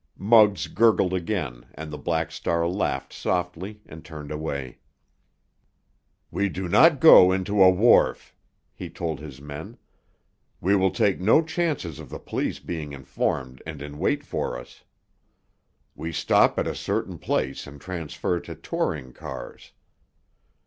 Muggs gurgled again, and the Black Star laughed softly and turned away. "We do not go into a wharf," he told his men. "We will take no chances of the police being informed and in wait for us. We stop at a certain place and transfer to touring cars.